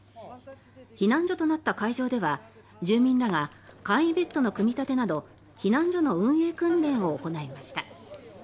避難所となった会場では住民らが簡易ベッドの組み立てなど避難所の運営訓練を行いました。